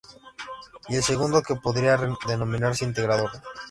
Y el segundo, que podría denominarse integrador.